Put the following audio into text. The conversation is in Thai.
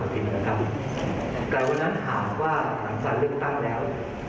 ภักดิ์ก็ยังถึงที่จะไม่สนักสนุนไงครับ